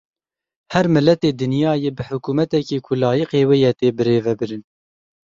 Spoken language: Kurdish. Her miletê dinyayê, bi hikûmeteke ku layiqê wê ye tê birêvebirin.